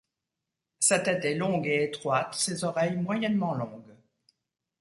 Sa tête est longue et étroite, ses oreilles moyennement longues.